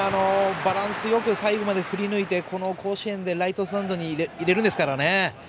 バランスよく最後まで振りぬいてこの甲子園でライトスタンドに入れるんですからね。